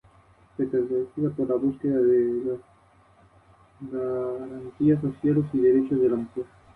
Todas sus canciones están administradas por Elsa Music Editorial.